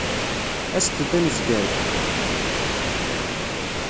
Aset-d ad nezger da.